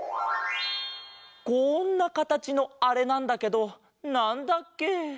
こんなかたちのあれなんだけどなんだっけ？